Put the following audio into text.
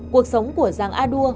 cuộc sống của giang a đua